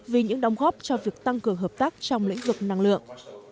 vì những đồng góp cho việc tăng cường hợp tác trong lĩnh vực năng lượng